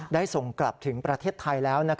ได้ส่งกลับถึงประเทศไทยแล้ว